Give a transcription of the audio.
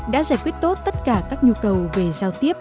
đã giải quyết tốt tất cả các nhu cầu về giao tiếp